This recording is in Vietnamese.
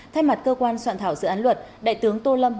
thay mặt cơ quan soạn thảo dự án luật đại tướng tô lâm